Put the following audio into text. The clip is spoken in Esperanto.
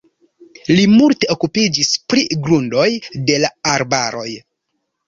Li multe okupiĝis pri grundoj de la arbaroj.